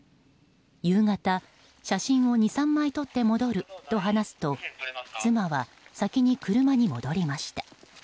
夕方、写真を２３枚撮って戻ると話すと妻は先に車に戻りました。